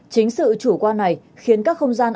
chính sự chủ quan này khiến các không gian